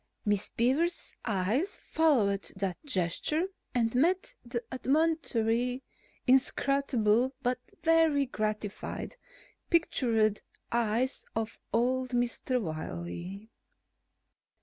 Miss Beaver's eyes followed that gesture and met the admonitory, inscrutable, but very gratified pictured eyes of old Mr. Wiley.